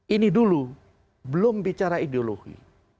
ini dulu belum bicara ideologi